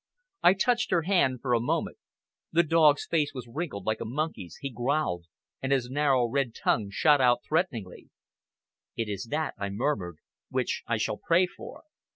I touched her hand for a moment. The dog's face was wrinkled like a monkey's, he growled, and his narrow red tongue shot out threateningly. "It is that," I murmured, "which I shall pray for!"